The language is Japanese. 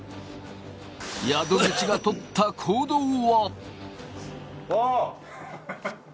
宿口がとった行動は。